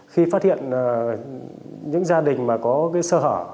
khi phát hiện những gia đình mà có sơ hỏ